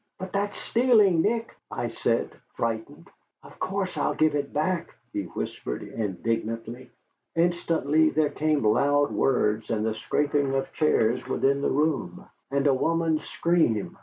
"But that's stealing, Nick," I said, frightened. "Of course I'll give it back," he whispered indignantly. Instantly there came loud words and the scraping of chairs within the room, and a woman's scream.